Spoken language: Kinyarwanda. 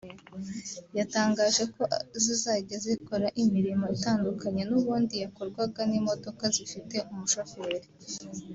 yatangaje ko zizajya zikora imirimo itandukanye n’ubundi yakorwaga n’imodoka zifite umushoferi